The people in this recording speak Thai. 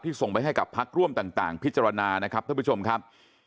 ส่งไปให้กับพักร่วมต่างพิจารณานะครับท่านผู้ชมครับ